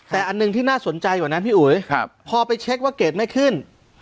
แต่อันหนึ่งที่น่าสนใจกว่านั้นพี่อุ๋ยพอไปเช็คว่าเกรดไม่ขึ้น